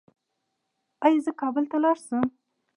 ایا زه کابل ته لاړ شم؟